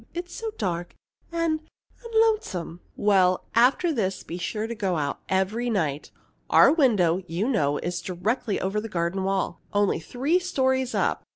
It's so dark and and lonesome." "Well, after this, be sure to go out every night. Our window, you know, is directly over the garden wall, only three stories up.